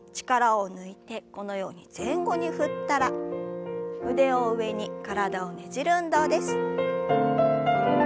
力を抜いてこのように前後に振ったら腕を上に体をねじる運動です。